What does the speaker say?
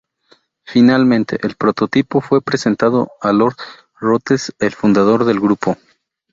Finalmente, el prototipo fue presentado a Lord Rootes, el fundador del Grupo.